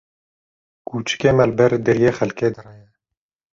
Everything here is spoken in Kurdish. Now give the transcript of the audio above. Kuçikê me li ber deriyê xelkê direye.